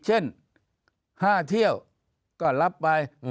เช่น๕เที่ยวก็รับไป